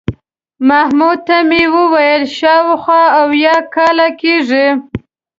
محمود ته مې وویل شاوخوا اویا کاله کېږي.